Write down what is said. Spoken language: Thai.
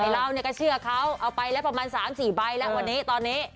เราเนี่ยก็เชื่อเขาเอาไปแล้วประมาณ๓๔ใบแล้วตอนนี้